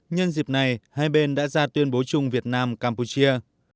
nhân dịp này hai bên đã ra tuyên bố chung việt nam campuchia